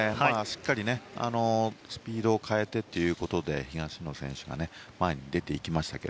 しっかりスピードを変えてということで東野選手が前に出ていきましたが。